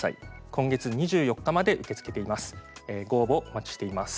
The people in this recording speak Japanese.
今月２４日まで受け付けています。